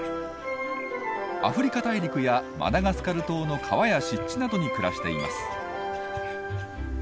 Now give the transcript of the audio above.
アフリカ大陸やマダガスカル島の川や湿地などに暮らしています。